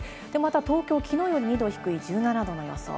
東京は昨日より２度低い、１７度の予想。